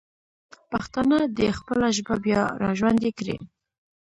پښتانه دې خپله ژبه بیا راژوندی کړي.